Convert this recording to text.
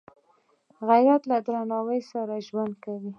غیرت له درناوي سره ژوند کوي